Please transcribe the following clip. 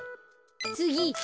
つぎ。